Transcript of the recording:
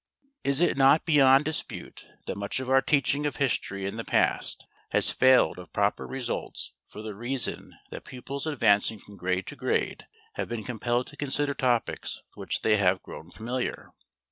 Is it not beyond dispute that much of our teaching of history in the past has failed of proper results for the reason that pupils advancing from grade to grade have been compelled to consider topics with which they have grown familiar?